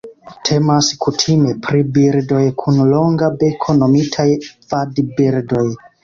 Temas kutime pri birdoj kun longa beko nomitaj vadbirdoj.